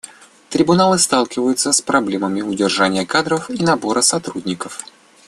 Трибуналы сталкиваются с проблемами удержания кадров и набора сотрудников.